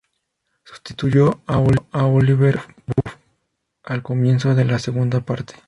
Sustituyó a Oliver Buff al comienzo de la segunda parte.